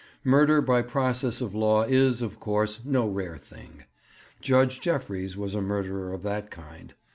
Murder by process of law is, of course, no rare thing. Judge Jeffreys was a murderer of that kind.